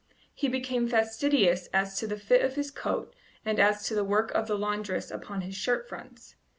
He became fastidious as to the fit of his coat and as to the work of the laundress upon his shirt fronts.